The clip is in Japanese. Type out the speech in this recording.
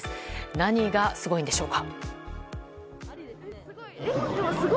何がすごいんでしょうか。